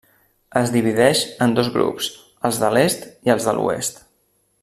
Es divideix en dos grups, els de l'est i els de l'oest.